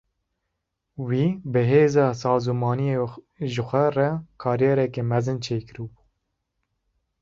Wî bi hêza sazûmaniyê ji xwe re kariyereke mezin çêkiribû.